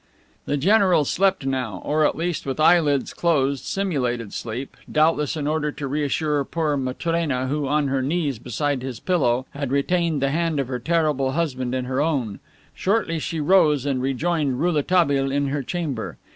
The general slept now, or, at least, with eyelids closed simulated sleep, doubtless in order to reassure poor Matrena who, on her knees beside his pillow, had retained the hand of her terrible husband in her own. Shortly she rose and rejoined Rouletabille in her chamber.